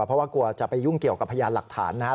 เพราะว่ากลัวจะไปยุ่งเกี่ยวกับพยานหลักฐานนะครับ